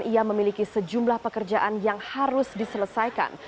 ia memiliki sejumlah pekerjaan yang harus diselesaikan